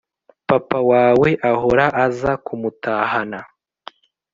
papa we ahora aza kumutahana